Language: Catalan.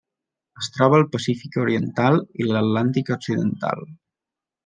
Es troba al Pacífic oriental i l'Atlàntic occidental.